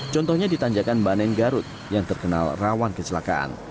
contohnya di tanjakan banen garut yang terkenal rawan kecelakaan